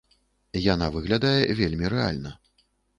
Яна выглядае вельмі рэальна.